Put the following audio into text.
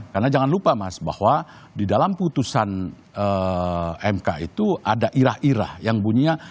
karena jangan lupa mas bahwa di dalam putusan mk itu ada irah irah yang bunyinya